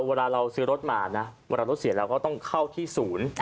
เวลาเราซื้อรถมานะเวลารถเสียเราก็ต้องเข้าที่ศูนย์